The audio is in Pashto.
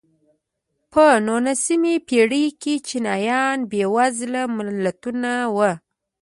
په نولسمې پېړۍ کې چینایان بېوزله ملتونه وو.